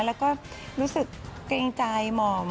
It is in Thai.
แล้วก็รู้สึกเกรงใจหม่อม